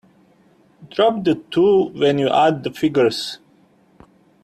Drop the two when you add the figures.